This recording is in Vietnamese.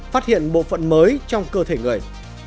phát hiện bộ phận mới trong cơ thể người